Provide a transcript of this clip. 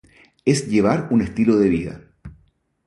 Es llevar un estilo de vida